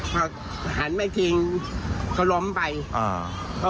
พอหันมาทิ้งเขาล้มไปอ่า